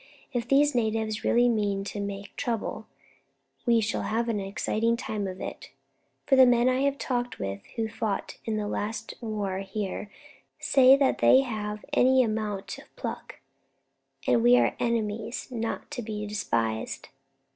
If these natives really mean to make trouble, we shall have an exciting time of it, for the men I have talked with who fought in the last war here say that they have any amount of pluck, and are enemies not to be despised.